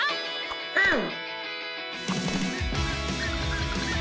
うん！